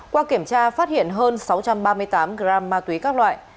qua kiểm tra phát hiện hơn sáu trăm ba mươi tám gram ma túy các loại